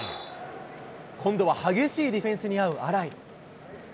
今度は激しいディフェンスに遭う荒井。